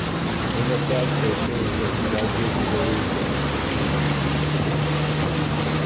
In effect they served as judges, juries, and executioners.